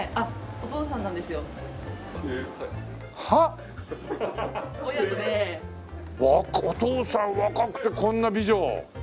お父さん若くてこんな美女。